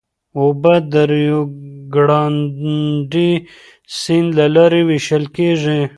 اوبه د ریو ګرانډې سیند له لارې وېشل کېږي.